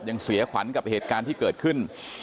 ยังเสียขวัญกับเหตุการณ์ที่เกิดขึ้น